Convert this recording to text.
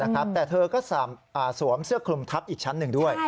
อ๋อนะครับแต่เธอก็สวมเสื้อคลุมทับอีกชั้นนึงด้วย